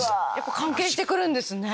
関係して来るんですね。